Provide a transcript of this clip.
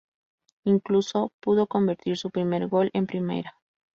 Incluso pudo convertir su primer gol en Primera.